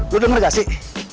lo denger gak sih